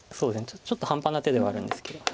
ちょっと半端な手ではあるんですけど。